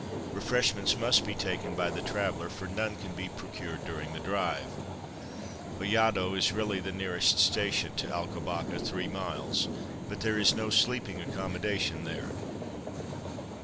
Refreshments must be taken by the traveller, for none can be procured during the drive. Vallado is really the nearest station to Alcobaça (3m.), but there is no sleeping accommodation there.